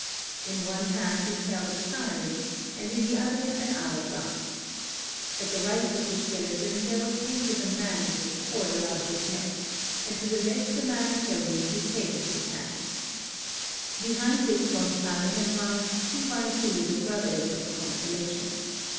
In one hand it held a scythe and in the other an hour glass. At the right of the skeleton there was painted a man with a cord around his neck, and to the left a man carrying his head in his hands. Behind this gonfalon advanced two by two the Brothers of the Consolation.